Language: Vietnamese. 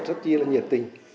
rất chí là nhiệt tình